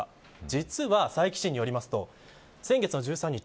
実は佐伯市によりますと先月の１３日